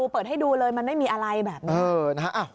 เปิดให้ดูเลยมันไม่มีอะไรแบบนี้